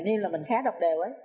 denims là mình khá độc đều